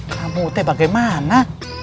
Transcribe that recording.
kamu itu bagaimana